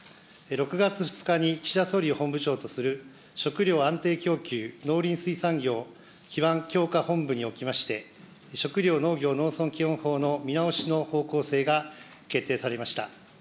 ６月２日に岸田総理を本部長とする食料安定供給農林水産業基盤強化本部におきまして、食料・農業・農村基本法の見直しの方向性が決定されました。